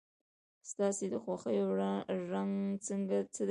ستا د خوښې رنګ څه دی؟